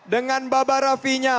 dengan baba rafinya